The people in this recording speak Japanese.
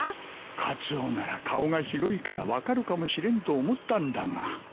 カツオなら顔が広いから分かるかもしれんと思ったんだが